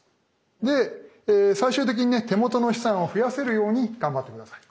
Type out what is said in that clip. で最終的にね手元の資産を増やせるように頑張って下さい。